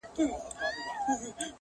د هوا له لاري صحنه ثبتېږي او نړۍ ته ځي